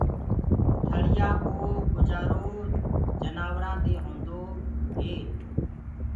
ٿݪيآ ڪو گُجآرو جنآورآنٚ دي هونٚدوئي